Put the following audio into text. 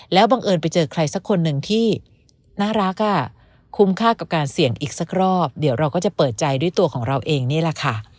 แล้วบังเอิญไปเจอใครสักคนหนึ่งที่น่ารักอ่ะคุ้มค่ากับการเสี่ยงอีกสักรอบเดี๋ยวเราก็จะเปิดใจด้วยตัวของเราเองนี่แหละค่ะ